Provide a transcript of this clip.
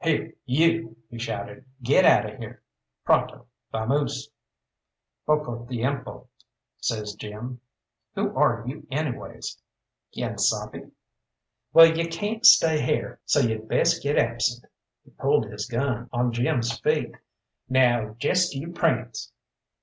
"Here, you," he shouted. "Git out 'er here pronto! Vamoose!" "Poco tiempo," says Jim. "Who are you, anyways?" "Quien sabe?" "Wall, ye cayn't stay here, so ye'd best get absent." He pulled his gun on Jim's feet. "Now jest you prance!"